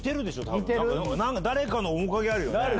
多分誰かの面影あるよね。